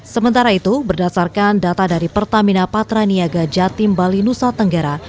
sementara itu berdasarkan data dari pertamina patraniaga jatim bali nusa tenggara